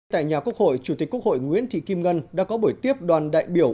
tại nhà quốc hội chủ tịch quốc hội nguyễn thị kim ngân đã có buổi tiếp đoàn đại biểu